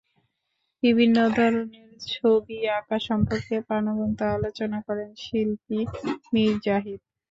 বিভিন্ন ধরনের ছবি আঁকা সম্পর্কে প্রাণবন্ত আলোচনা করেন শিল্পী মীর জাহিদ।